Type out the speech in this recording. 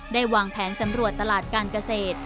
วางแผนสำรวจตลาดการเกษตร